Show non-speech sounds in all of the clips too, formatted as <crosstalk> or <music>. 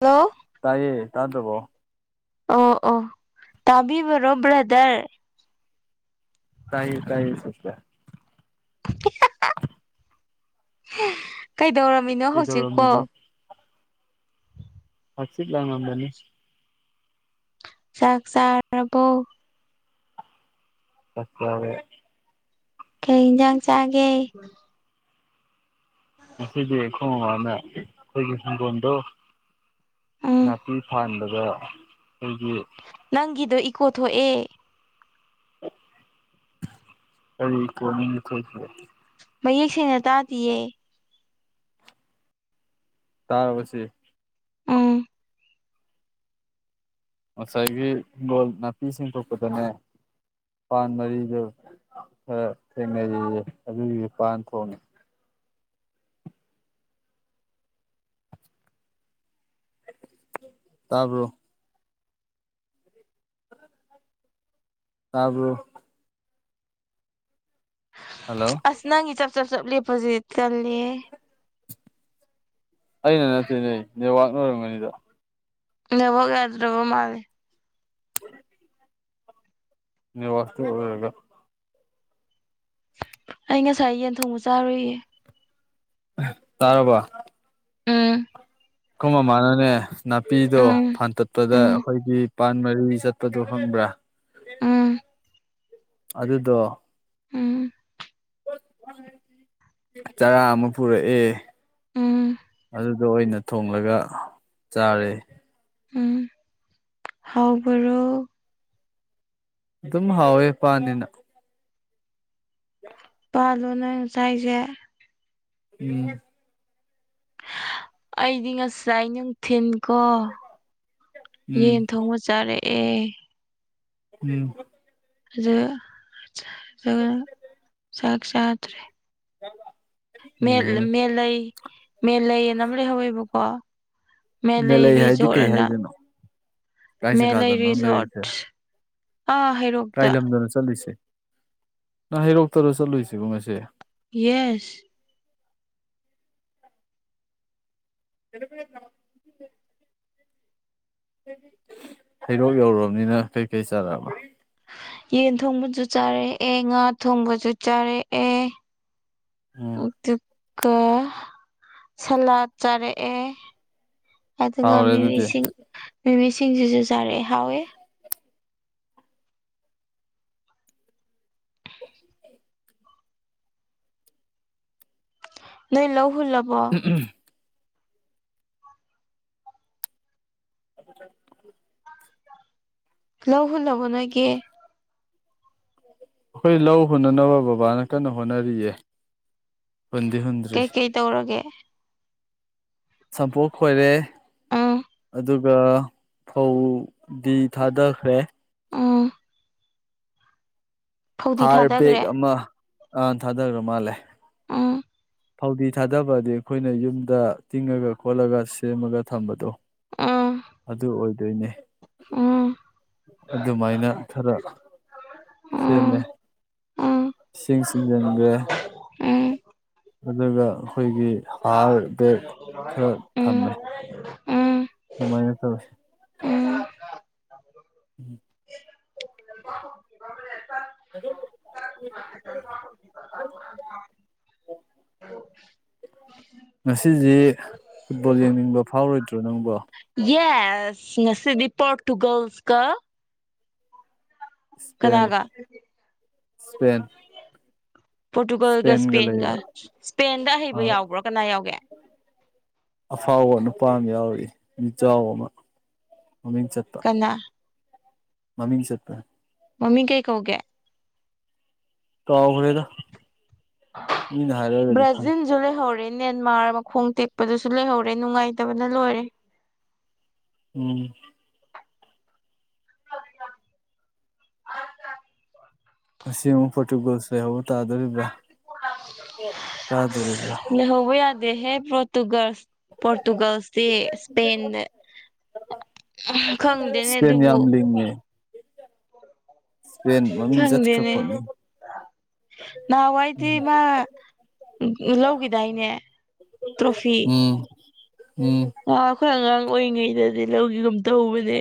hello ꯇꯥꯏꯌꯦ ꯇꯥ ꯇꯕꯣ ꯑꯣ ꯑꯣ ꯇꯥꯕꯤꯕꯔꯣ ꯕ꯭ꯔꯗꯔ ꯇꯌꯦ ꯇꯥꯏꯌꯦ ꯁꯁꯦ <inaudible> ꯀꯩꯗꯧꯔꯝꯃꯤꯅꯣ ꯍꯧꯖꯤꯛꯄꯣ ꯀꯩꯗꯧꯔꯝꯃꯤꯅꯣ ꯊꯥꯛꯆꯠ ꯂꯥꯡꯝꯗꯅꯤ ꯆꯥꯛ ꯆꯥꯔꯔꯕꯣ ꯐꯁꯂꯔꯦ ꯀꯩ ꯌꯦꯟꯁꯥꯡ ꯆꯥꯒꯦ ꯉꯁꯤꯗꯤ ꯈꯣꯡꯅꯦ ꯑꯩꯈꯣꯏꯒꯤ ꯍꯪꯒꯣꯝꯗꯣ ꯎꯝ ꯅꯥꯄꯤ ꯐꯟꯥꯟꯕꯗ ꯑꯩꯈꯣꯏꯒꯤ ꯅꯪꯒꯤꯗꯣ ꯏꯀꯣ ꯊꯣꯛꯑꯦ ꯀꯔꯤ ꯀꯦ ꯃꯌꯦꯛ ꯁꯦꯡꯅ ꯇꯥꯗꯤꯌꯦ ꯇꯥꯕꯁꯤ ꯎꯝ ꯉꯁꯥꯏꯒꯤ ꯍꯤꯡꯒꯣꯜ ꯅꯥꯄꯤꯁꯤꯡ ꯄꯣꯛꯄꯗꯅꯦ ꯄꯥꯟ ꯃꯔꯤꯗ ꯈꯔ ꯊꯦꯡꯅꯔꯤꯁꯦ ꯑꯗꯨꯒꯤꯁꯨ ꯄꯥꯟ ꯊꯣꯡꯅꯤ ꯇꯥꯄꯣ ꯇꯥꯕꯨ ꯍꯜꯂꯣ ꯑꯁ ꯅꯪꯒꯤ ꯆꯞ ꯆꯞ ꯆꯞ ꯂꯦꯞꯄꯁꯤꯦ ꯆꯜꯂꯦ ꯑꯩꯅ ꯅꯠꯇꯦꯅꯦ ꯅꯦꯠꯋꯥꯛꯅ ꯑꯣꯏꯔꯝꯒꯅꯤꯗ ꯅꯕꯒꯦꯗ꯭ꯔꯕ ꯃꯥꯦ ꯋꯥꯁꯇꯒ ꯑꯩ ꯉꯁꯥꯏ ꯌꯦꯟ ꯊꯣꯡꯕ ꯆꯥꯔꯨꯏꯌꯦ ꯇꯥꯔꯕ ꯎꯝ ꯑꯀꯨꯝ ꯃꯃꯥꯅꯅꯦ ꯅꯥꯄꯤꯗꯣ ꯎꯝ ꯐꯟꯇꯠꯄꯗ ꯎꯝ ꯑꯩꯈꯣꯏꯒꯤ ꯃ ꯄꯥꯟ ꯃꯔꯤ ꯆꯠꯄꯗꯣ ꯐꯪꯕ꯭ꯔꯥ ꯎꯝ ꯑꯗꯨꯗꯣ ꯎꯝ ꯆꯔꯥ ꯑꯃ ꯄꯨꯔꯛꯑꯦ ꯎꯝ ꯑꯗꯨꯗ ꯑꯣꯏꯅ ꯊꯣꯡꯂꯒ ꯆꯥꯔꯦ ꯎꯝ ꯍꯥꯎꯕ꯭ꯔꯣ ꯑꯗꯨꯝ ꯍꯥꯎꯋꯦ ꯄꯅꯤꯅ ꯌꯥꯗ ꯄꯥꯜꯣꯅ ꯆꯥꯏꯁꯦ ꯎꯝ ꯑꯩꯗꯤ ꯉꯁꯥꯏ ꯅꯨꯡꯊꯤꯟꯀꯣ ꯎꯝ ꯌꯦꯟ ꯊꯣꯡꯕ ꯆꯥꯔꯦꯑꯦ ꯎ ꯎꯝ ꯑꯗꯨ ꯆꯥꯛ ꯆꯥꯗ꯭ꯔꯦ ꯆ ꯃꯦꯂꯩ ꯃꯦꯂꯩꯅ ꯑꯃ ꯂꯩꯍꯧꯋꯦꯕꯀꯣ ꯃꯦꯂꯩ ꯍꯥꯏꯗꯤ ꯔꯤꯖꯣꯔꯠ ꯀꯩ ꯑꯅ ꯍꯥꯏꯗꯣꯏꯅꯣ ꯀꯥꯏ ꯃꯦꯂꯩ ꯖꯒꯥꯗꯅꯣ ꯂꯩꯔꯤꯁꯦ ꯔꯤꯖꯣꯔꯠ ꯑꯥ ꯍꯥꯏꯦꯔꯣ ꯀꯥꯏ ꯂꯝꯗꯅ ꯆꯠꯂꯤꯨꯁꯦ ꯅ ꯍꯩꯔꯣꯛꯇꯗ ꯆꯠꯂꯨꯁꯤꯕꯣ ꯉꯁꯦ ꯌꯦꯁ ꯑꯗꯨꯔ ꯄꯔꯅꯣ ꯍꯩꯔꯣꯛ ꯌꯧꯔꯨꯔꯕꯅꯤꯅ ꯀꯩꯀꯩ ꯆꯥꯔꯛꯑꯕ ꯌꯦꯟ ꯊꯣꯡꯕꯁꯨ ꯆꯥꯔꯛꯑꯦ ꯉꯥ ꯊꯣꯡꯕꯁꯨ ꯆꯥꯔꯛꯑꯦ ꯎꯝ ꯇꯀ ꯁꯂꯠ ꯆꯥꯔꯛꯑꯦ ꯑꯗꯨꯒ ꯍꯥꯎꯔꯦ ꯑꯗꯨꯗꯤ ꯃꯤꯃꯤꯁꯤꯡ ꯃꯤꯃꯤꯁꯤꯡꯁꯤꯁꯨ ꯆꯥꯔꯛꯑꯦ ꯍꯥꯎꯋꯦ ꯅꯣꯏ ꯂꯍꯨꯜ ꯂꯕꯣ ꯎꯝ ꯎꯝ ꯑꯗꯨ ꯂ ꯍꯨꯟ ꯂꯕ ꯅ ꯀꯦ ꯑꯩꯈꯣꯏ ꯂꯧ ꯍꯨꯟꯅꯅꯕ ꯕꯕꯥꯅ ꯀꯟꯅ ꯍꯣꯠꯅꯔꯤꯌꯦ ꯍꯨꯟꯗꯤ ꯍꯨꯟ ꯀꯩꯀꯩ ꯇꯧꯔꯒꯦ ꯁꯝꯄꯨ ꯈꯣꯏꯔꯦ ꯎꯝ ꯑꯗꯨꯒ ꯐꯧꯗꯤ ꯊꯥꯗꯈ꯭ꯔꯦ ꯑꯥ ꯐꯧꯗꯤ ꯍꯥꯔ ꯕꯦꯛ ꯊꯥꯗꯈ꯭ꯔꯦ ꯑꯃ ꯑ ꯊꯥꯗꯈ꯭ꯔ ꯃꯥꯜꯂꯦ ꯑꯥ ꯐꯧꯗꯤ ꯊꯥꯗꯕꯗꯤ ꯑꯩꯈꯣꯏꯅ ꯌꯨꯝꯗ ꯇꯤꯡꯉꯒ ꯈꯣꯠꯂꯒ ꯁꯦꯝꯃꯒ ꯊꯝꯕꯗꯣ ꯎꯝ ꯑꯗꯨ ꯑꯣꯏꯗꯣꯏꯅꯦ ꯎꯝ ꯑꯗꯨꯃꯥꯏꯅ ꯈꯔ ꯁꯦꯝꯃꯦ ꯏꯁꯤꯡ ꯆꯤꯡꯖꯟꯒꯦ ꯑꯗꯨꯒ ꯑꯩꯈꯣꯏꯒꯤ ꯍꯥꯔ ꯕꯦꯛ ꯈꯔ ꯊꯝꯃꯦ ꯍ ꯑꯗꯨꯃꯥꯏꯅ ꯇꯧꯁꯦ ꯎꯝ ꯑꯗꯨꯕꯨ ꯉꯁꯤꯁꯤ ꯐꯨꯠꯕꯣꯜ ꯌꯦꯡꯅꯤꯡꯕ ꯐꯥꯎꯔꯣꯏꯗ꯭ꯔꯣ ꯅꯪꯕꯣ ꯌꯦꯁ ꯁꯤꯗꯤ ꯄꯣꯣꯔꯇꯨꯒꯜꯁ ꯀ ꯏꯁꯄꯦꯟ ꯀꯅꯥꯒ ꯏꯁꯄꯦꯟ ꯄꯣꯔꯇꯨꯒꯜꯒ ꯏꯁꯄꯦꯟꯒ ꯁ꯭ꯄꯦꯟꯒ ꯂꯩꯕ ꯁ꯭ꯄꯦꯟꯗ ꯍꯍꯩꯕ ꯑꯥ ꯌꯥꯎꯕ꯭ꯔꯣ ꯀꯅꯥ ꯌꯥꯎꯒꯦ ꯑꯐꯥꯎꯕ ꯅꯨꯄꯥ ꯑꯃ ꯌꯥꯎꯔꯤ ꯃꯤꯖꯥꯎ ꯑꯃ ꯃꯃꯤꯡ ꯆꯠꯄ ꯀꯅꯥ ꯃꯃꯤꯡ ꯆꯠꯄ ꯃꯃꯤꯡ ꯀꯩ ꯀꯧꯒꯦ ꯀꯥꯎꯈꯦꯗ ꯭ꯔꯖꯤꯟ ꯈꯪꯉꯦ ꯖꯨꯂ ꯍꯔꯤꯟ ꯅꯦꯟꯃꯥꯔ ꯃꯈꯣꯡ ꯇꯦꯛꯄꯗꯨꯁꯨ ꯂꯩꯍꯧꯔꯦ ꯅꯨꯡꯉꯥꯏꯇꯕꯅ ꯂꯣꯏꯔꯦ ꯎꯝ ꯉꯁꯤ ꯑꯃꯨꯛ ꯄꯣꯔꯇꯨꯒꯜꯁ ꯂꯩꯍꯧꯕ ꯇꯥꯗꯣꯔꯤꯕ꯭ꯔ ꯀꯥꯗꯣꯔꯤꯕ꯭ꯔ ꯂꯩꯍꯧꯕ ꯌꯥ ꯍꯦ ꯄꯣꯔꯇꯨꯒꯜ ꯄꯣꯔꯇꯨꯒꯜꯁꯇꯤ ꯏꯁꯄꯦꯟꯅ ꯈꯪꯗꯦꯅꯦ ꯑꯗꯨꯕꯨ ꯎꯝ ꯏꯁꯄꯦꯟ ꯃꯃꯤꯡ ꯈꯪꯗꯦꯅꯦ ꯆꯠꯈꯔ꯭ꯄꯣꯠꯅꯤ ꯅꯍꯥꯟꯋꯥꯏꯗꯤ ꯃꯥ ꯂꯧꯈꯤꯗꯥꯏꯅꯦ ꯇ꯭ꯔꯣꯐꯤ ꯎꯝ ꯎꯝ ꯑ ꯑꯩꯈꯣꯏ ꯑꯉꯥꯡ ꯑꯣꯏꯔꯤꯉꯩꯗꯗꯤ ꯂꯧꯈꯤꯒꯨꯝ ꯇꯧꯕꯅꯦ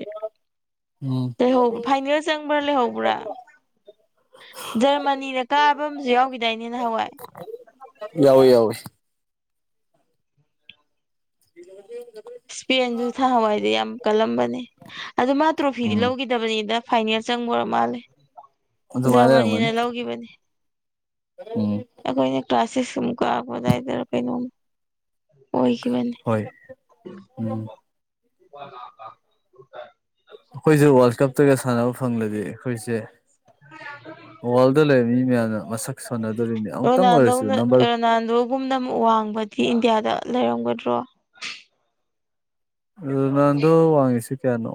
ꯎꯝ ꯂꯩꯍꯧꯕ ꯐꯥꯏꯅꯦꯜ ꯆꯪꯕ꯭ꯔꯥ ꯂꯩꯍꯧꯕ꯭ꯔꯥ ꯖꯔꯃꯅꯤꯅ ꯀꯥꯕ ꯑꯃꯁꯨ ꯌꯥꯎꯈꯤꯗꯥꯏꯅꯦ ꯅꯍꯥꯋꯥꯏ ꯌꯥꯎꯏ ꯌꯥꯎꯏ <unintelligible> ꯏꯁꯄꯦꯟꯁꯨ ꯊꯍꯋꯥꯏꯗꯤ ꯌꯥꯝ ꯀꯜꯂꯝꯕꯅꯦ ꯑꯗꯨ ꯃꯥ ꯇ꯭ꯔꯣꯐꯤꯗꯤ ꯎꯝ ꯂꯧꯈꯤꯗꯕꯅꯤꯗ ꯐꯥꯏꯅꯦꯜ ꯆꯪꯕ ꯑꯣꯏꯔ ꯃꯥꯜꯂꯦ ꯑꯗꯨꯃꯥꯏꯅ ꯖꯔꯃꯅꯤꯅ ꯂꯩꯔꯝꯒꯅꯤ ꯂꯧꯒꯤꯕꯅꯤ ꯎꯝ ꯑꯩꯈꯣꯏꯅ ꯀ꯭ꯂꯥꯁ ꯁꯤꯛꯁ ꯀꯨꯛ ꯀꯛꯔꯛꯄ ꯑꯗꯨꯏꯗ ꯀꯩꯅꯣꯝ ꯑꯣꯏꯈꯤꯕꯅꯤ ꯍꯣꯏ ꯎꯝ <unintelligible> ꯑꯩꯈꯣꯏꯁꯨ ꯋꯥꯔꯜ ꯀꯞꯇꯒ ꯁꯥꯟꯅꯕ ꯐꯪꯂꯗꯤ ꯑꯩꯈꯣꯏꯁꯦ ꯋꯥꯔꯜꯗ ꯂꯩꯕ ꯃꯤ ꯃꯌꯥꯝꯅ ꯃꯁꯛ ꯁꯣꯟꯅꯗꯨꯔꯤꯅꯤ ꯑꯃꯨꯛꯇꯪ ꯑꯣꯏꯔꯁꯨ ꯅꯝꯕꯔ ꯅꯥꯟꯗꯣ ꯒꯨꯝꯅ ꯑꯃꯨꯛ ꯋꯥꯡꯕꯗꯤ ꯏꯟꯗꯤꯌꯥꯗ ꯂꯩꯔꯝꯒꯗ꯭ꯔꯣ ꯔꯣꯅꯥꯟꯗꫭ ꯋꯥꯡꯉꯤꯁꯦ ꯀꯌꯥꯅꯣ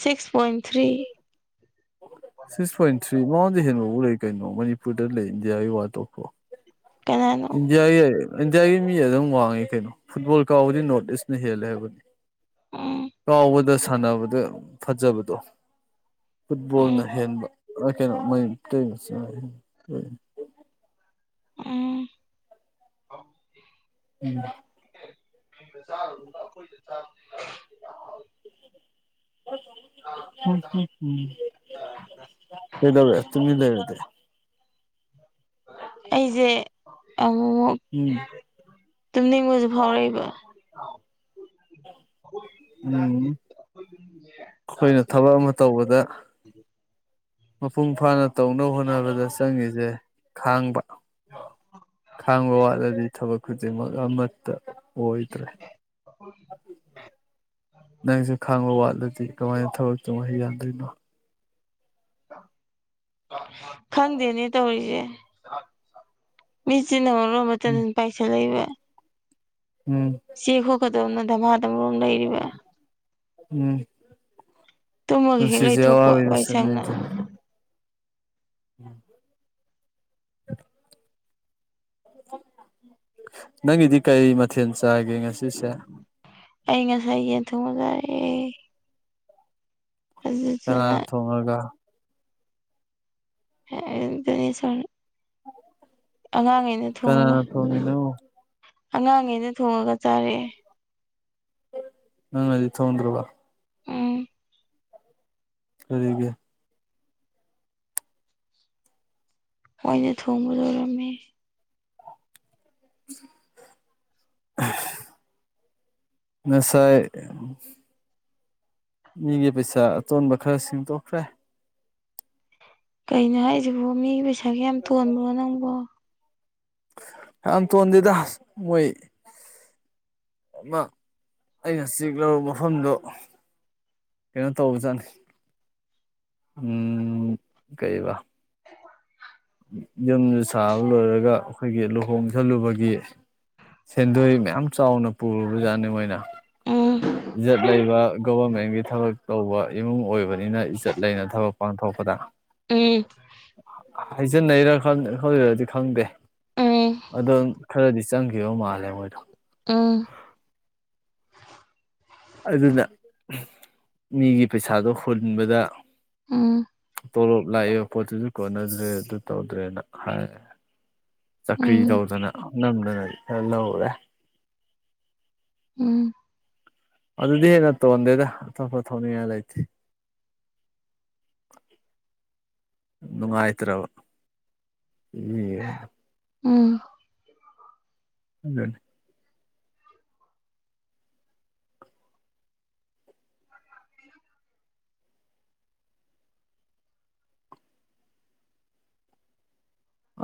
six point three six point three ꯃꯥꯉꯣꯟꯗꯒꯤ ꯍꯦꯟꯕꯐꯥꯎ ꯂꯩ ꯀꯩꯅꯣ ꯃꯅꯤꯄꯨꯔꯗ ꯂꯩ ꯏꯟꯗꯤꯌꯥꯒꯤ ꯋꯥ ꯇꯣꯛꯈ꯭ꯔꯣ ꯀꯅꯥꯅꯣ ꯏꯟꯗꯤꯌꯥꯒꯤ ꯏꯟꯗꯤꯌꯥꯒꯤ ꯃꯤ ꯑꯗꯨꯝ ꯋꯥꯡꯉꯤ ꯀꯩꯅꯣ ꯐꯨꯠꯕꯣꯜ ꯀꯥꯎꯕꯗꯤ ꯅꯣꯔꯠ ꯏꯁꯅ ꯍꯦꯜꯂꯦ ꯍꯥꯏꯕꯅꯤ ꯎꯝ ꯀꯥꯎꯕꯗ ꯁꯥꯟꯅꯕꯗ ꯐꯖꯕꯗꯣ ꯐꯨꯠꯕꯣꯜꯅ ꯎꯝ ꯍꯦꯟꯕ ꯑꯥ ꯀꯩꯅꯣ ꯃꯩꯇꯩ ꯃꯆꯥ <unintelligible> ꯎꯝ ꯎꯝ <unintelligible> ꯀꯩꯗꯧꯔꯦ ꯇꯨꯃꯤꯟ ꯂꯩꯔꯗꯤ ꯑꯩꯖꯦ ꯑꯃꯨꯃꯨꯛ ꯎꯝ ꯇꯨꯝꯅꯤꯡꯕꯁꯨ ꯐꯥꯎꯔꯛꯏꯕ ꯑꯈꫭꯏ ꯌꯨꯝꯒꯤ ꯎꯝ ꯏꯟꯖꯥꯡꯖꯦ ꯑꯩꯈꯣꯏꯅ ꯑꯩꯈꫭꯏ ꯌꯨꯝꯒꯤꯅꯦ ꯆꯥꯛꯁꯦ ꯊꯕꯛ ꯑꯃ ꯇꯧꯕꯗ ꯃꯄꯨꯡ ꯐꯥꯅ ꯇꯧꯅꯕ ꯍꯣꯠꯅꯕꯗ ꯆꯪꯉꯤꯁꯦ ꯈꯥꯡꯕ ꯈꯥꯡꯕ ꯋꯥꯠꯂꯗꯤ ꯊꯕꯛ ꯈꯨꯗꯤꯡꯃꯛ ꯑꯃꯠꯇ ꯑꯣꯏꯗ꯭ꯔꯦ ꯅꯪꯁꯨ ꯈꯪꯡꯕ ꯋꯥꯠꯂꯗꯤ ꯀꯃꯥꯏꯅ ꯊꯕꯛ ꯇꯧꯕ ꯌꯥꯗꯣꯏꯅꯣ ꯈꯪꯗꯦꯅꯦ ꯇꯧꯔꯤꯁꯦ ꯃꯤꯠꯁꯤꯅ ꯃꯔꯣꯜ ꯑꯃ ꯎꯝ ꯇꯟꯗꯟ ꯄꯥꯏꯁꯤꯜꯂꯛ ꯏꯕ ꯎꯝ ꯆꯦ ꯈꯣꯠꯀꯗꯧꯅ ꯗꯥꯃꯥꯗꯝ ꯃꯔꯣꯜ ꯑꯃ ꯂꯩꯔꯤꯕ ꯎꯝ ꯇꯨꯝꯃꯒ ꯍꯦꯛ ꯄꯨꯟꯁꯤꯁꯦ ꯂꯩꯊꯣꯛꯄ ꯑꯋꯥꯕꯒꯤ ꯃꯁꯛꯅꯤ ꯋꯥꯏꯁꯪꯅ ꯎꯝ <unintelligible> ꯅꯪꯒꯤꯗꯤ ꯀꯩ ꯃꯊꯦꯜ ꯆꯥꯒꯦ ꯉꯁꯤ ꯁꯤꯁꯦ ꯑꯩ ꯉꯁꯥꯏ ꯌꯦꯟ ꯊꯣꯡꯡꯕ ꯆꯥꯏꯌꯦ ꯀꯅꯥꯅ ꯊꯣꯡꯉꯒ <unintelligible> ꯑꯉꯥꯡꯈ꯫ꯒꯩꯅ ꯊꯣꯡꯉꯒ ꯀꯅꯥꯅ ꯊꯣꯡꯉꯤꯅꯣ ꯑꯉꯥꯡꯉꯩꯅ ꯊꯣꯡꯉꯒ ꯆꯥꯔꯦ ꯅꯪꯅꯗꯤ ꯊꯣꯡꯗ꯭ꯔꯕ ꯎꯝ ꯀꯔꯤꯒꯤ ꯃꯣꯏꯅ ꯊꯣꯡꯕꯂꯣꯏꯔꯝꯃꯦ ꯉꯁꯥꯏ ꯃꯤꯒꯤ ꯄꯩꯁꯥ ꯑꯇꯣꯟꯕ ꯈꯔ ꯁꯤꯡꯗꯣꯛꯈ꯭ꯔꯦ ꯀꯩꯅꯣ ꯍꯥꯏꯁꯤꯕꯣ ꯃꯤꯒꯤ ꯄꯩꯁꯥꯒ ꯌꯥꯝ ꯇꯣꯟꯕ꯭ꯔꯣ ꯅꯪꯕꯣ ꯌꯥꯝ ꯇꯣꯟꯗꯦꯗ ꯃꯣꯏ ꯑꯃ ꯑꯩꯅ ꯆꯦꯛꯂꯧꯔꯨꯕ ꯃꯐꯝꯗꯣ ꯀꯩꯅꯣ ꯇꯧꯕꯖꯥꯠꯅꯤ ꯎꯝ ꯀꯩꯕꯥ ꯌꯨꯝꯁꯨ ꯁꯥꯕ ꯂꯣꯏꯔꯒ ꯑꯩꯈꯣꯏꯒꯤ ꯂꯨꯍꯣꯡꯁꯜꯂꯨꯕꯒꯤ ꯁꯦꯟꯗꯣꯏ ꯃꯌꯥꯝ ꯆꯥꯎꯅ ꯄꯨꯔꯨꯔꯕ ꯖꯥꯠꯅꯤ ꯃꯣꯏꯅ ꯎꯝ ꯏꯖꯠ ꯂꯩꯕ ꯒꯣꯚꯔꯃꯦꯟꯒꯤ ꯊꯕꯛ ꯇꯧꯕ ꯏꯃꯨꯡ ꯑꯣꯏꯕꯅꯤꯅ ꯏꯖꯠ ꯂꯩꯅ ꯊꯕꯛ ꯄꯥꯡꯊꯣꯛꯄꯗ ꯎꯝ ꯍꯖꯤꯟꯅꯩꯔ ꯈꯪꯔꯗꯤ ꯈꯪꯗꯦ ꯎꯝ ꯑꯗꯣ ꯈꯔꯗꯤ ꯆꯪꯈꯤꯕ ꯃꯥꯜꯂꯦ ꯃꯣꯏꯗꯣ ꯑꯝ ꯑꯗꯨꯅ ꯃꯤꯒꯤ ꯄꯩꯁꯥꯗꯣ ꯍꯨꯟꯕꯗ ꯎꯝ ꯇꯣꯂꯣꯞ ꯂꯥꯛ ꯏꯕ ꯄꯣꯠꯇꯨꯁꯨ ꯀꯣꯟꯅꯗ꯭ꯔꯦ ꯑꯗꯨ ꯇꯧꯗ꯭ꯔꯦꯅ ꯍꯥꯏ ꯆꯀ꯭ꯔꯤ ꯎꯝ ꯇꯧꯗꯅ ꯅꯝꯗꯅꯗꯤ ꯈꯔ ꯂꯧꯔꯨꯔꯦ ꯎꯝ ꯑꯗꯨꯗꯤ ꯍꯦꯟꯅ ꯇꯣꯟꯗꯦꯗ ꯑꯇꯣꯞꯄ ꯊꯧꯅꯤꯡꯉꯥꯏ ꯂꯩꯇꯦ ꯅꯨꯡꯉꯥꯏꯇ꯭ꯔꯕ ꯏꯑ ꯎꯝ ꯑꯗꯨꯅꯤ ꯍ <unintelligible>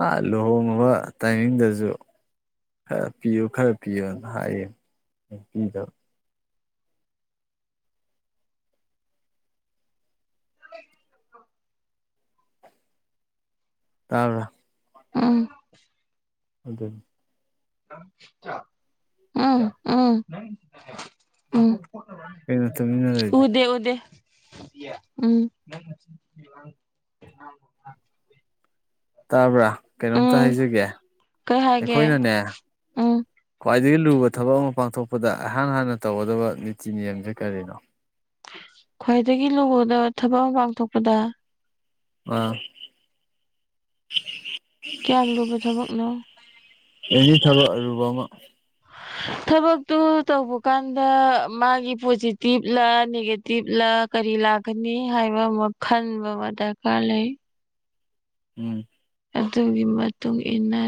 ꯑ ꯂꯨꯍꯣꯡꯉꯕ ꯇꯥꯏꯃꯤꯡꯗꯁꯨ ꯈꯔ ꯄꯤꯌꯨ ꯈꯔ ꯄꯤꯌꯣꯅ ꯍꯥꯏꯌꯦ ꯄꯤꯗꯕ ꯇꯥꯕ꯭ꯔꯥ ꯎꯝ ꯑꯗꯨꯅꯤ ꯎꯝ ꯎꯝ ꯎꯝ ꯀꯩꯅꯣ ꯇꯨꯃꯤꯟꯅ ꯂꯩꯗꯤ ꯎꯗꯦ ꯎꯗꯦ ꯎꯝ ꯇꯥꯕ꯭ꯔꯥ ꯀꯩꯅꯣꯝꯇ ꯎꯝ ꯍꯥꯏꯖꯒꯦ ꯀꯩ ꯍꯥꯏꯒꯦ ꯑꯩꯈꯣꯏꯅꯅꯦ ꯎꯝ ꯈ꯭ꯋꯥꯏꯗꯒꯤ ꯂꯨꯕ ꯊꯕꯛ ꯑꯃ ꯄꯥꯡꯊꯣꯛꯄꯗ ꯑꯩꯍꯥꯟ ꯍꯥꯟꯅ ꯇꯧꯒꯗꯕ ꯅꯤꯇꯤ ꯅꯤꯌꯝꯁꯦ ꯀꯔꯤꯅꯣ ꯈ꯭ꯋꯥꯏꯗꯒꯤ ꯂꯨꯕꯗ ꯊꯕꯛ ꯑꯃ ꯄꯥꯡꯊꯣꯛꯄꯗ ꯑꯥ ꯀꯌꯥꯝ ꯂꯨꯕ ꯊꯕꯛꯅꯣ ꯑꯦꯅꯤ ꯊꯕꯛ ꯑꯔꯨꯕ ꯑꯃ ꯊꯕꯛꯇꯨ ꯇꯧꯕꯀꯥꯟꯗ ꯃꯥꯒꯤ ꯄꯣꯖꯤꯇꯤꯕ ꯂꯥ ꯅꯦꯒꯦꯇꯤꯞ ꯂꯥ ꯀꯔꯤ ꯂꯥꯛꯀꯅꯤ ꯍꯥꯏꯕ ꯑꯃ ꯈꯟꯕ ꯑꯃ ꯗꯔꯀꯥꯔ ꯂꯩ ꯎꯝ ꯑꯗꯨꯒꯤ ꯃꯇꯨꯡ ꯏꯟꯅ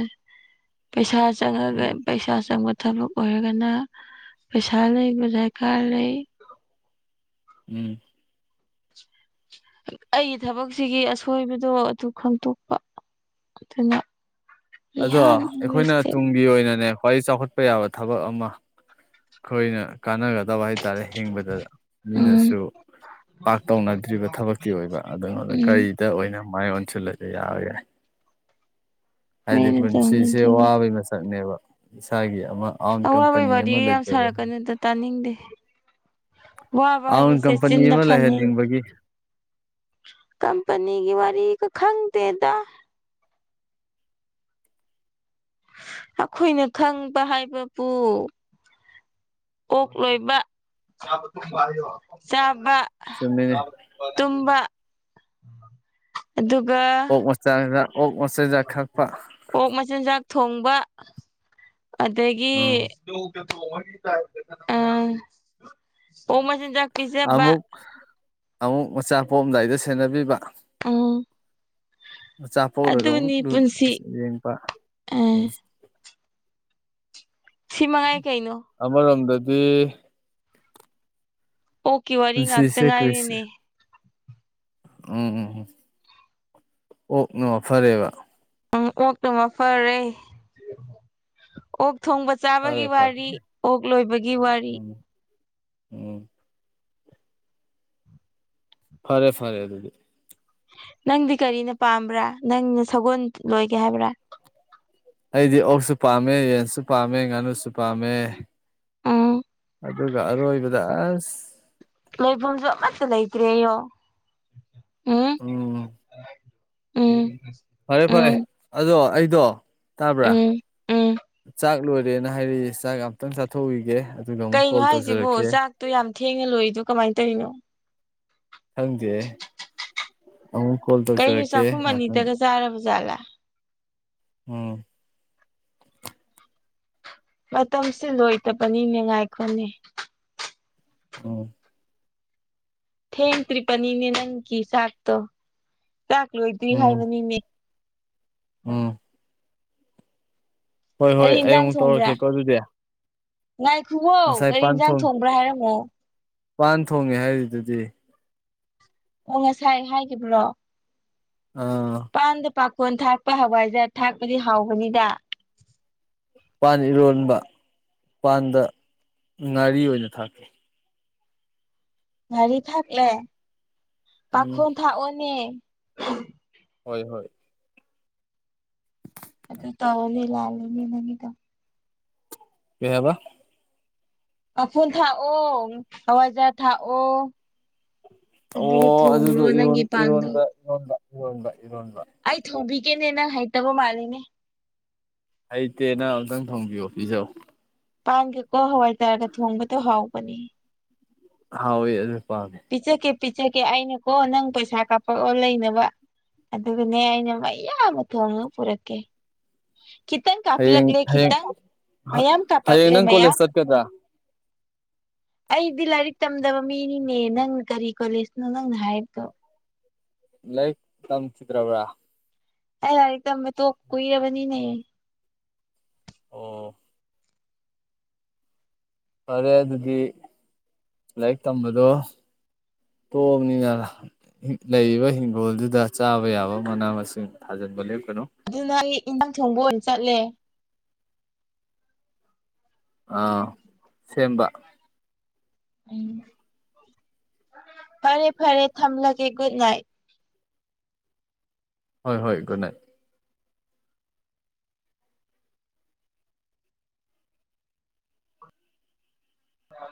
ꯄꯩꯁꯥ ꯆꯪꯉꯒ ꯎꯝ ꯄꯩꯁꯥ ꯆꯪꯕ ꯊꯕꯛ ꯑꯣꯏꯔꯒꯅ ꯄꯩꯁꯥ ꯂꯩꯕ ꯗꯔꯀꯥꯔ ꯂꯩ ꯎꯝ ꯑꯩꯒꯤ ꯊꯕꯛꯁꯤꯒꯤ ꯑꯁꯣꯏꯕꯗꯣ ꯑꯗꯨ ꯈꯪꯇꯣꯛꯄ ꯑꯗꯨꯅ ꯑꯗꯣ ꯏꯍꯥꯟ ꯍꯥꯟꯕ ꯑꯩꯈꯣꯏꯅ ꯏꯁꯇꯦꯞ ꯇꯨꯡꯒꯤ ꯑꯣꯏꯅꯅꯦ ꯈ꯭ꯋꯥꯏ ꯆꯥꯎꯈꯠꯄ ꯌꯥꯕ ꯊꯕꯛ ꯑꯃ ꯑꯩꯈꯣꯏꯅ ꯀꯥꯟꯅꯒꯗꯕ ꯍꯥꯏꯇꯥꯔꯦ ꯍꯤꯡꯕꯗ ꯎꯝ ꯃꯤꯅꯁꯨ ꯄꯥꯛ ꯇꯧꯅꯗ꯭ꯔꯤꯕ ꯊꯕꯛꯇꯤ ꯑꯣꯏꯕ ꯑꯗꯨ ꯎꯝ ꯀꯔꯤꯗ ꯑꯣꯏꯅ ꯃꯥꯏ ꯑꯣꯟꯁꯤꯜꯂꯒ ꯌꯥꯕ ꯌꯥꯏ ꯍꯥꯏꯗꯤ ꯃꯤꯅ ꯄꯨꯟꯁꯤꯁꯦ ꯇꯧꯅꯗꯕ ꯋꯥꯕꯩ ꯃꯁꯛꯅꯦꯕ ꯏꯁꯥꯒꯤ ꯑꯃ ꯑꯥꯎꯟ ꯑꯋꯥꯕꯒꯤ ꯀꯝꯄꯅꯤ ꯋꯥꯔꯤ ꯑꯃ ꯌꯥꯝ ꯂꯩꯖꯕꯅ ꯁꯥꯔꯛꯀꯅꯨꯗ ꯇꯥꯅꯤꯡꯗꯦ ꯋꯥꯕ ꯑꯥꯎꯟ ꯍꯥꯢꯁꯦ ꯀꯝꯄꯅꯤ ꯆꯤꯟꯗ ꯑꯃ ꯈꯥꯟꯅꯩ ꯂꯩꯍꯟꯅꯤꯡꯕꯒꯤ ꯀꯝꯄꯅꯤꯒꯤ ꯋꯥꯔꯤꯒ ꯈꯪꯗꯦꯗ ꯑꯩꯈꯣꯏꯅ ꯈꯪꯕ ꯍꯥꯏꯕꯕꯨ ꯑꯣꯛ ꯂꯣꯏꯕ ꯆꯥꯕ ꯆꯨꯝꯃꯤꯅꯦ ꯇꯨꯝꯕ ꯑꯗꯨꯒ ꯆꯔꯒ ꯑꯣꯛ ꯃꯆꯤꯟꯆꯥꯛ ꯊꯥꯛꯄ ꯑꯣꯛ ꯃꯆꯤꯟꯖꯥꯛ ꯊꯣꯡꯕ ꯑꯗꯒꯤ ꯎꯝ ꯑ ꯑꯣꯛ ꯃꯆꯤꯟꯖꯥꯛ ꯄꯤꯖꯕ ꯑꯃꯨꯛ ꯑꯃꯨꯛ ꯃꯆꯥ ꯄꯣꯛꯑꯝꯗꯥꯏꯗ ꯁꯦꯟꯅꯕꯤꯕ ꯎꯝ ꯑꯆꯥꯄꯣꯛꯂꯒ ꯑꯃꯨꯛ ꯑꯗꯨꯅꯤ ꯂꯨ ꯄꯨꯟꯁꯤ ꯌꯦꯡꯕ ꯑ ꯎꯝ ꯁꯤ ꯃꯉꯥꯏ ꯀꯩꯅꯣ ꯑꯃꯔꯣꯝꯗꯗꯤ ꯑꯣꯛꯀꯤ ꯋꯥꯔꯤ ꯉꯥꯛꯇ ꯄꯨꯟꯁꯤꯁꯦ ꯀ꯭ꯔꯤꯁ ꯉꯥꯏꯔꯦꯅꯦ ꯎꯝ ꯎꯝ ꯎꯝ ꯑꯣꯛꯅ ꯐꯔꯦꯕ ꯎꯝ ꯑꯣꯛꯅ ꯃꯐꯔꯦ ꯑꯣꯛ ꯊꯣꯡꯕ ꯆꯥꯕꯒꯤ ꯐꯔꯦ ꯐꯔꯦ ꯋꯥꯔꯤ ꯑꯣꯛ ꯂꯣꯏꯕꯒꯤ ꯋꯥꯔꯤ ꯎꯝ ꯎꯝ ꯐꯔꯦ ꯐꯔꯦ ꯑꯗꯨꯗꯤ ꯅꯪꯗꯤ ꯀꯔꯤꯅ ꯄꯥꯝꯕ꯭ꯔꯥ ꯅꯪꯅ ꯁꯒꯣꯜ ꯂꯣꯏꯒꯦ ꯍꯥꯏꯕ꯭ꯔꯥ ꯑꯩꯗꯤ ꯑꯣꯛꯁꯨ ꯄꯥꯝꯃꯦ ꯌꯦꯟꯁꯨ ꯄꯥꯝꯃꯦ ꯉꯥꯅꯨꯁꯨ ꯄꯥꯝꯃꯦ ꯎꯝ ꯑꯗꯨꯒ ꯑꯔꯣꯏꯕꯗ ꯂꯩꯐꯝꯁꯨ ꯑꯃꯁꯠꯇ ꯂꯩꯇ꯭ꯔꯦ ꯑꯌꯣ ꯎꯝ ꯎꯝ ꯐꯔꯦ ꯐꯔꯦ ꯎꯝ ꯑꯗꯣ ꯑꯩꯗꯣ ꯇꯥꯕ꯭ꯔꯥ ꯎꯝ ꯎꯝ ꯆꯥꯛ ꯂꯣꯏꯔ ꯣꯔꯦꯅ ꯍꯥꯏꯔꯛ ꯆꯥꯛ ꯑꯃꯨꯇꯪ ꯆꯥꯊꯣꯛꯎꯈꯤꯒꯦ ꯑꯗꯨꯒ ꯑꯃꯨꯛ ꯀꯩꯅꯣ ꯀꯣꯜ ꯍꯥꯏꯁꯤꯕꯣ ꯇꯧꯖꯔꯛꯀꯦ ꯆꯥꯛꯇꯣ ꯌꯥꯝ ꯊꯦꯡꯅ ꯂꯣꯏꯔꯤꯗꯣ ꯀꯃꯥꯏꯅ ꯇꯧꯔꯤꯅꯣ ꯍꯪꯗꯦ ꯑ ꯀꯣꯜꯗ ꯀꯩꯅꯣ ꯆꯥꯛꯈꯨꯝ ꯑꯅꯤꯗꯒ ꯆꯥꯔꯕ ꯖꯥꯠꯂꯥ ꯎꯝ ꯃꯇꯝꯁꯦ ꯂꯣꯏꯇꯕꯅꯤꯅꯦ ꯉꯥꯏꯈꯣꯅꯦ ꯑ ꯊꯦꯡꯇ꯭ꯔꯤ ꯄꯅꯤꯅꯦ ꯅꯪꯒꯤ ꯆꯥꯛꯇꯣ ꯆꯥꯛ ꯂꯣꯏꯗ꯭ꯔꯤ ꯎꯝ ꯍꯥꯏꯕꯅꯤꯅꯦ ꯎꯝ ꯍꯣꯏ ꯍꯣꯏ ꯀꯔꯤ ꯑꯩ ꯑꯃꯨꯛ ꯇꯧꯔꯛꯀꯦꯀꯣ ꯑꯗꯨꯗꯤ ꯉꯥꯏꯈꯨꯕꯣ ꯉꯁꯥꯏ ꯒꯥꯔꯤ ꯄꯥꯟ ꯌꯦꯟꯖꯥꯡ ꯊꯣꯡ ꯊꯣꯡꯕ꯭ꯔꯥ ꯍꯥꯏꯔꯝꯃꯣ ꯄꯥꯟ ꯊꯣꯡꯉꯦ ꯍꯥꯏꯔꯤꯗꯨꯗꯤ ꯑꯣ ꯉꯁꯥꯏ ꯍꯥꯏꯈꯤꯕ꯭ꯔꯣ ꯑ ꯃꯄꯥꯟꯗ ꯄꯥꯈꯣꯟ ꯊꯥꯛꯄ ꯍꯋꯥꯏꯖꯥꯔ ꯊꯥꯛꯄꯗꯤ ꯍꯥꯎꯕꯅꯤꯗ ꯄꯥꯟ ꯏꯔꯣꯟꯕ ꯄꯥꯟꯗ ꯉꯥꯔꯤ ꯑꯣꯏꯅ ꯊꯥꯈꯤ ꯒꯥꯔꯤ ꯊꯥꯛꯂꯦ ꯎꯝ ꯄꯥꯈꯣꯟ ꯊꯥꯛꯑꯣꯅꯦ ꯍꯣꯏ ꯍꯣꯏ ꯑ ꯇꯧ ꯂꯩ ꯂꯥꯜꯅꯤ ꯅꯗ ꯀꯍꯕ ꯑꯐꯨꯜ ꯊꯥꯛꯑꯣ ꯍꯋꯥꯏꯖꯥ ꯊꯥꯛꯑꯣ ꯑꯗꯨꯒ ꯑꯣ ꯊꯣꯡꯂꯣ ꯑꯗꯨꯗꯣꯔ ꯅꯪꯒꯤ ꯄꯥꯟꯗꯣ ꯏꯔꯣꯟꯕ ꯏꯔꯣꯟꯕ ꯏꯔꯣꯟꯕ ꯏꯔꯣꯟꯕ ꯑꯩ ꯊꯧꯕꯤꯒꯦꯅꯦꯅ ꯍꯩꯇꯕ ꯃꯥꯜꯂꯤꯅꯦ ꯍꯩꯇꯦꯅ ꯑꯃꯝꯛꯇꯪ ꯊꯣꯡꯕꯤꯌꯣ ꯄꯤꯖꯧ ꯄꯥꯟꯒꯦꯀꯣ ꯍꯋꯥꯏ ꯇꯥꯔꯒ ꯊꯣꯡꯕꯗꯣ ꯍꯥꯎꯕꯅꯦ ꯍꯥꯎꯋꯦ ꯑꯗꯨ ꯄꯥꯝꯃꯦ ꯄꯤꯆꯀꯦ ꯄꯤꯆꯀꯦ ꯑꯩꯅꯀꯣ ꯅꯪ ꯄꯩꯁꯥ ꯀꯥꯞꯄꯛꯑꯣ ꯂꯩꯅꯕ ꯑꯗꯨꯒꯅꯦ ꯑꯩꯅ ꯃꯌꯥꯝꯕ ꯊꯣꯡꯉ ꯄꯨꯔꯛꯀꯦ ꯈꯤꯇꯪ ꯍꯌꯦꯡ ꯀꯥꯞꯂꯛꯂꯦ ꯍꯌꯦꯡ ꯈꯤꯇꯪ ꯃꯌꯥꯝ ꯍꯌꯦꯡ ꯀꯥꯞꯂꯛꯂꯦ ꯅꯪ ꯀꯣꯂꯦꯖ ꯃꯌꯥꯝ ꯆꯠꯀꯗ꯭ꯔꯥ ꯑꯩꯗꯤ ꯂꯥꯏꯔꯤꯛ ꯇꯝꯗꯕ ꯃꯤꯅꯤ ꯪꯅꯦ ꯅꯪꯅ ꯀꯔꯤ ꯀꯣꯂꯦꯁꯅꯣ ꯅꯪꯅ ꯍꯥꯏꯕꯗꯣ ꯂ ꯂꯩꯛ ꯇꯝ ꯆꯤꯗ꯭ꯔꯕ ꯑꯩ ꯂꯥꯏꯔꯤꯛ ꯇꯝꯝꯕ ꯇꯣ ꯀꯨꯏꯔꯕꯅꯤꯅꯦ ꯑꯣ ꯐꯔꯦ ꯑꯗꯨꯗꯤ ꯂꯥꯏꯔꯤꯛ ꯇꯝꯕꯗꯣ ꯇꯣꯛꯑꯕꯅꯤꯅ ꯂꯩꯔꯤꯕ ꯍꯤꯡꯒꯣꯜꯗꯨꯗ ꯆꯥꯕ ꯌꯥꯕ ꯃꯅꯥ ꯃꯁꯤꯡ ꯊꯥꯖꯤꯟꯕ ꯂꯦꯞꯀꯅꯨ ꯑꯗꯨꯅ ꯑꯩ ꯏꯟꯖꯥꯡ ꯊꯣꯡꯕ ꯑꯣꯏꯅ ꯆꯠꯂꯦ ꯑꯥ ꯁꯦꯝꯕ ꯎꯝ ꯐꯔꯦ ꯐꯔꯦ ꯊꯝꯂꯒꯦ ꯒꯨꯠ ꯅꯥꯏꯠ ꯍꯣꯏ ꯍꯣꯏ ꯒꯨꯠ ꯅꯥꯏꯠ ꯑ